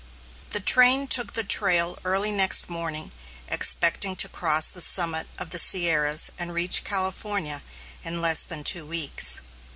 The train took the trail early next morning, expecting to cross the summit of the Sierras and reach California in less than two weeks.